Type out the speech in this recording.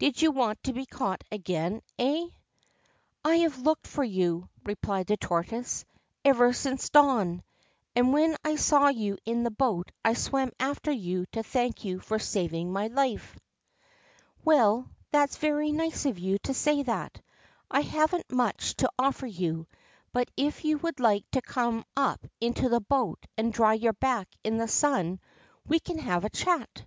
Do you want to be caught again, eh ?'' I have looked for you,' replied the tortoise, ' ever since dawn, and when I saw you in the boat I swam after you to thank you for saving my life.' URASHIMA TARO ' Well, that 's very nice of you to say that. I haven't much to offer you, but if you would like to come up into the boat and dry your back in the sun we can have a chat.'